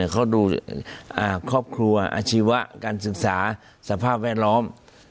เขาดูครอบครัวอาชีวะการศึกษาสภาพแวดล้อม